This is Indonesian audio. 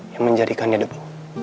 yang menjadikannya debu